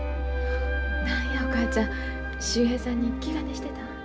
何やお母ちゃん秀平さんに気兼ねしてたん？